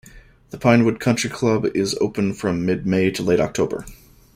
The Pinewood Country Club is open from mid-May to late-October.